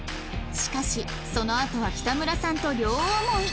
しかしそのあとは北村さんと両思い